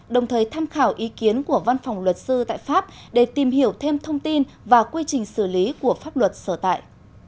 đồng thời tham khảo ý kiến của văn phòng luật sư tại pháp để tìm hiểu thêm thông tin và quy trình xử lý của pháp luật sở tại